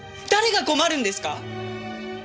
誰が困るんですか？